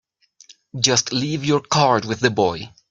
Just leave your card with the boy.